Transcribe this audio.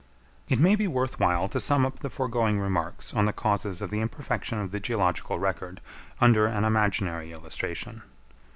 It may be worth while to sum up the foregoing remarks on the causes of the imperfection of the geological record under an imaginary illustration.